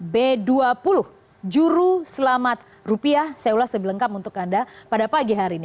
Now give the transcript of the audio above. jadi b dua puluh juru selamat rupiah saya ulas sebelengkap untuk anda pada pagi hari ini